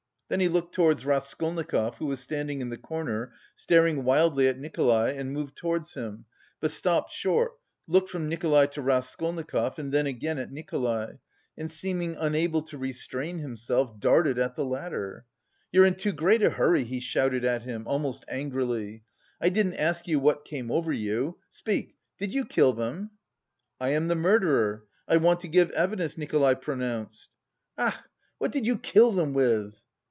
Then he looked towards Raskolnikov, who was standing in the corner, staring wildly at Nikolay and moved towards him, but stopped short, looked from Nikolay to Raskolnikov and then again at Nikolay, and seeming unable to restrain himself darted at the latter. "You're in too great a hurry," he shouted at him, almost angrily. "I didn't ask you what came over you.... Speak, did you kill them?" "I am the murderer.... I want to give evidence," Nikolay pronounced. "Ach! What did you kill them with?"